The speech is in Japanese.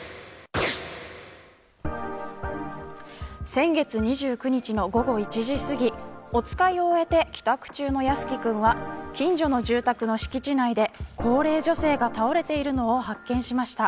先月２９日の午後１時すぎおつかいを終えて帰宅中の靖宜君は近所の住宅の敷地内で高齢女性が倒れているのを発見しました。